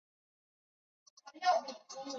截萼忍冬为忍冬科忍冬属下的一个种。